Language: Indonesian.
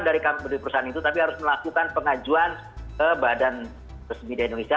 bukan dari perusahaan itu tapi harus melakukan pengajuan ke badan pesemidiaan indonesia